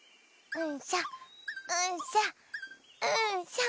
うんしょ！